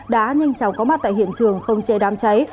đã nhanh chóng có mặt tại hiện trường không chế đám cháy